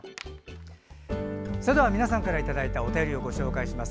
皆さんからいただいたお便りご紹介します。